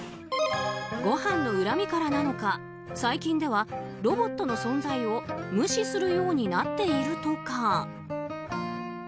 ごはんの恨みからなのか最近ではロボットの存在を無視するようになっているとか。